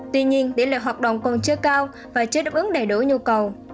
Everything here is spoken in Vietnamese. tuy nhiên tỉ lệ hoạt động còn chưa cao và chưa đáp ứng đầy đủ nhu cầu